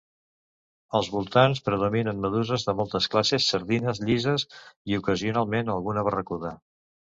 Als voltants, predominen meduses de moltes classes, sardines, llises i ocasionalment alguna barracuda.